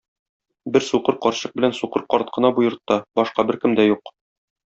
Бер сукыр карчык белән сукыр карт кына бу йортта, башка беркем дә юк.